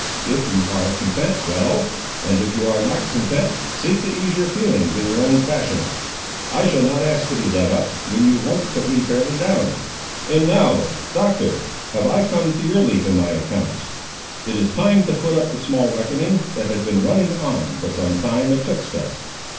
If you ar' content, well; if you ar' not content, seek to ease your feelings in your own fashion. I shall not ask to be let up, when you once put me fairly down. And now, Doctor, have I come to your leaf in my accounts. It is time to foot up the small reckoning, that has been running on, for some time, atwixt us.